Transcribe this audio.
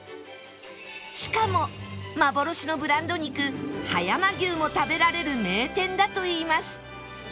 しかも幻のブランド肉葉山牛も食べられる名店だといいます